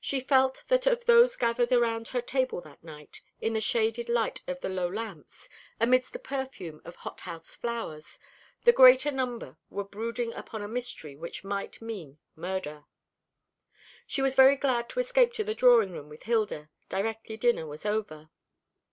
She felt that of those gathered around her table that night, in the shaded light of the low lamps, amidst the perfume of hothouse flowers, the greater number were brooding upon a mystery which might mean murder. She was very glad to escape to the drawing room with Hilda, directly dinner was over.